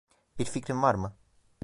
Bir fikrin var mı?